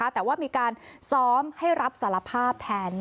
แต่ว่ามีการซ้อมให้รับสารภาพแทน